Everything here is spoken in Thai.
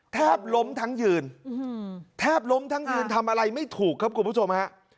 แทบล้มทั้งยืนแทบล้มทั้งยืนทำอะไรไม่ถูกครับคุณผู้ชมฮะ